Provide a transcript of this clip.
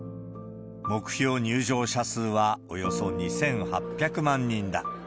目標入場者数はおよそ２８００万人だ。